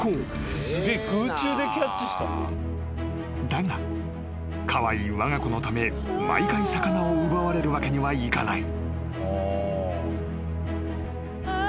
［だがカワイイわが子のため毎回魚を奪われるわけにはいかない］